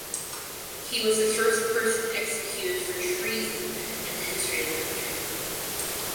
He was the first person executed for treason in the history of the country.